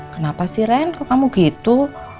kenapa sih ren kok kamu gitu